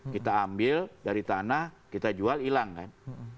kita ambil dari tanah kita jual hilang kan